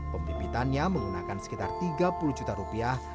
pembibitannya menggunakan sekitar tiga puluh juta rupiah